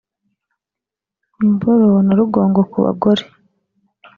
imboro na rugongo ku bagore)